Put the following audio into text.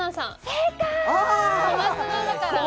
正解！